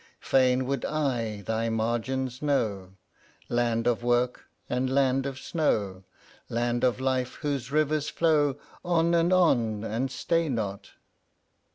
Fain would I thy margins know, Land of work, and land of snow; Land of life, whose rivers flow On, and on, and stay not.